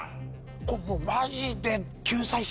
これもうマジで。